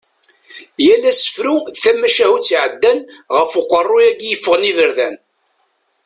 Yal asefru d tamacahutt iɛeddan ɣef uqerru-yagi yeffɣen iberdan.